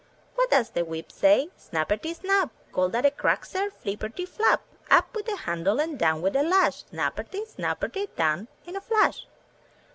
'* What does the whip say? *'Snaperty snap! Call that a crack, sir — flipperty flap! Up with the handle, and down with the lash. Snaperty! snaperty! Done in a flash."